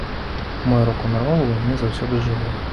Мой рок-н-рол ува мне заўсёды жывы!